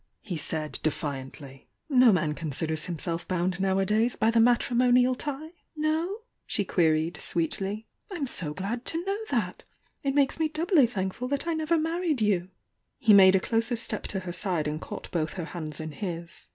he said, defiantiy. No man considers himself bound nowadays by the matn ™ "No?"'8he queried, sweetly. "I'm so glad to know that! It makes me doubly thankful that I never ™He made a' closer step to her side and caught both her hands in his.